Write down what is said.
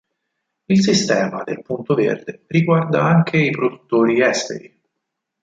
Il sistema del Punto Verde riguarda anche i produttori esteri.